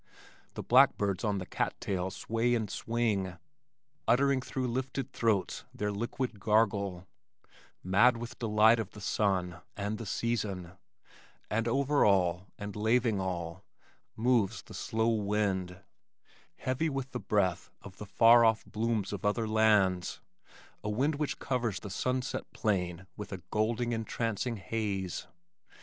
The blackbirds on the cat tails sway and swing, uttering through lifted throats their liquid gurgle, mad with delight of the sun and the season and over all, and laving all, moves the slow wind, heavy with the breath of the far off blooms of other lands, a wind which covers the sunset plain with a golden entrancing haze.